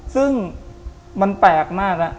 ซึ่งมันแปลกมากแล้ว